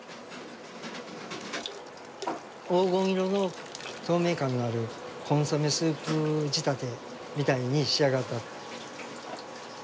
黄金色の透明感のあるコンソメスープ仕立てみたいに仕上がった。